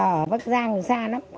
ở bắc giang thì xa lắm